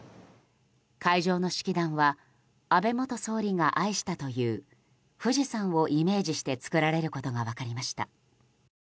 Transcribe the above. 会場の式壇は安倍元総理が愛したという富士山をイメージして作られることが分かりました。